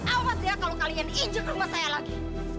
awas ya kalau kalian izin rumah saya lagi